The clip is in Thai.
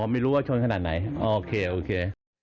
ไม่รู้ว่าชนขนาดไหนโอเคโอเค